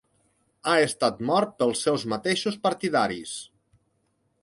Ha estat mort pels seus mateixos partidaris.